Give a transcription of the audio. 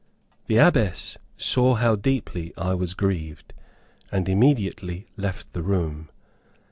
The Abbess saw how deeply I was grieved, and immediately left the room.